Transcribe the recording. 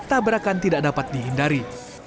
tabrakan tidak dapat dihindari